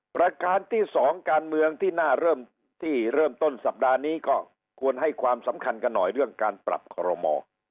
ประการที่๒การเมืองที่น่าเริ่มที่เริ่มต้นสัปดาห์นี้ก็ควรให้ความสำคัญกันหน่อยเรื่องการปรับคอรมอ